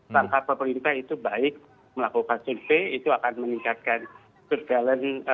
langkah pemerintah itu baik melakukan survei itu akan meningkatkan surveillance